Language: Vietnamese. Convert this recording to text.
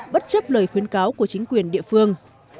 bất chấp lời khuyến cáo của chính quyền địa phương